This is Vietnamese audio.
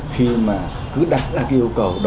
khi mà cứ đặt ra yêu cầu đó